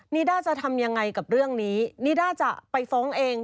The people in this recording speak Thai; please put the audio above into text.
นิด้าจะทำยังไงกับเรื่องนี้นิด้าจะไปฟ้องเอง